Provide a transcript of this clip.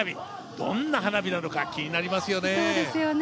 どんな花火なのか気になりますよね。